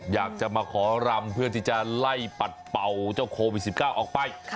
อยากจะมาขอรำเพื่อที่จะไล่ปัดเป่าเจ้าโควิด๑๙ออกไป